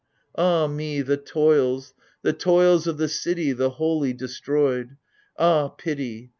Ah me, the toils — the toils of the city The wholly destroyed : ah, pity.